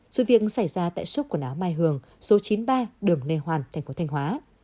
sự việc xảy ra tại sốc quần áo mai hường số chín mươi ba đường lê hoàn thành phố thanh hóa